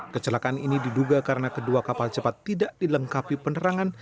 kecelakaan ini diduga karena kedua kapal cepat tidak dilengkapi penerangan